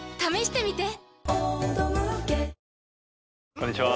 こんにちは。